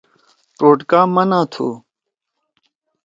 ٹوٹکا منع تُھو۔